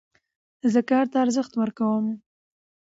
زه کار ته ارزښت ورکوم.